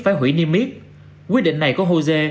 phải hủy niêm miết quyết định này của hosea